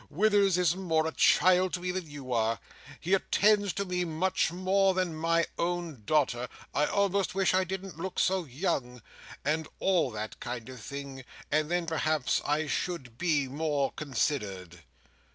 Withers is more a child to me than you are. He attends to me much more than my own daughter. I almost wish I didn't look so young—and all that kind of thing—and then perhaps I should be more considered."